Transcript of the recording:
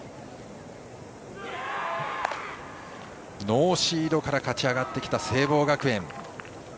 ノーシードから勝ち上がってきた聖望学園。